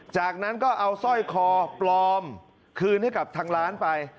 จากนั้นก็เอาสร้อยคอปลอมคืนให้กับทางร้านไป